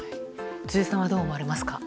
辻さんはどう思われますか？